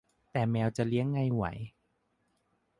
แต่แมวจะเลี้ยงไงไหว